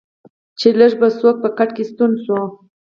چې لږ به څوک په کټ کې ستون شو.